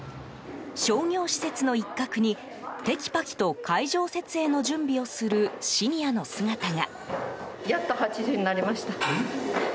商業施設の一角にテキパキと会場設営の準備をするシニアの姿が。